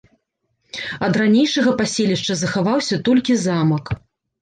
Ад ранейшага паселішча захаваўся толькі замак.